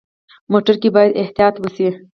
موټر کې باید احتیاط وشي.